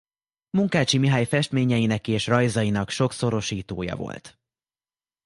Munkácsy Mihály festményeinek és rajzainak sokszorosítója volt.